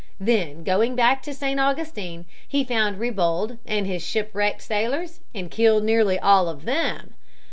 Then going back to St. Augustine, he found Ribault and his shipwrecked sailors and killed nearly all of them.